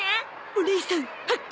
おねいさん発見！